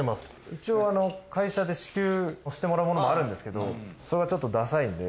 一応会社で支給してもらうものもあるんですけどそれはちょっとダサいんで。